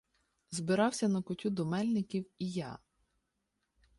Збирався на кутю до Мельників і я.